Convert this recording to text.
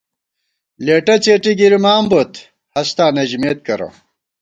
لېٹہ څېٹی گِرِمان بوت ، ہستاں نہ ژِمېت کرہ